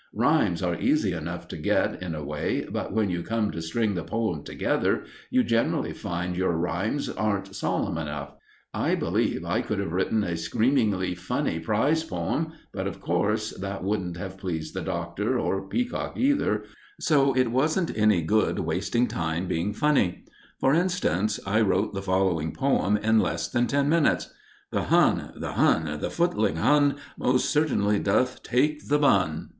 Rhymes are easy enough to get, in a way, but when you come to string the poem together, you generally find your rhymes aren't solemn enough. I believe I could have written a screamily funny prize poem; but, of course, that wouldn't have pleased the Doctor, or Peacock either, so it wasn't any good wasting time being funny. For instance, I wrote the following poem in less than ten minutes: The Hun, the Hun, the footling Hun, Most certainly doth take the bun.